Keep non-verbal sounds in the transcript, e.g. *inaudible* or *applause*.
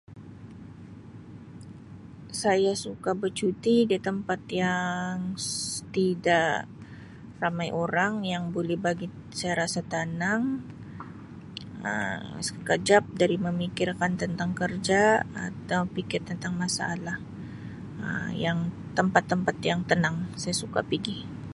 Saya suka becuti di tempat yang *noise* tidak ramai orang yang buli bagi saya rasa tanang Um sekajap dari memikirkan tentang kerja atau pikir tentang masalah Um yang tempat-tempat yang tenang saya suka pigi.